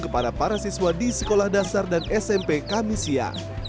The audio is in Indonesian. kepada para siswa di sekolah dasar dan smp kamisia